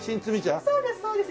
そうですそうです。